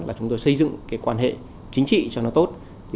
là chúng tôi xây dựng cái quan hệ chính trị cho nó tốt